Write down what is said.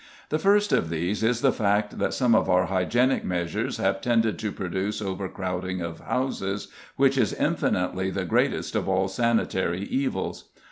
The first of these is the fact that some of our hygienic measures have tended to produce overcrowding of houses, which is infinitely the greatest of all sanitary evils.